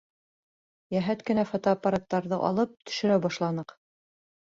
Йәһәт кенә фотоаппараттарҙы алып төшөрә башланыҡ.